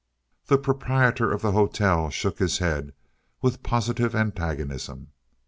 The proprietor of the hotel shook his head with positive antagonism.